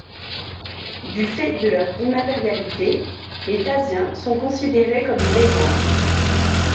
Du fait de leur immatérialité, les Thasiens sont considérés comme une légende.